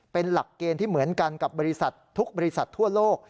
เป็นหลักเกณฑ์ที่เหมือนกันกับบริษัททุกบริษัททั่วโลก